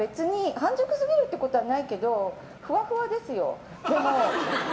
半熟すぎるってことはないけどふわふわですよ。